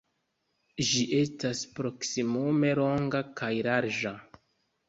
Ĝi estas proksimume longa kaj larĝa.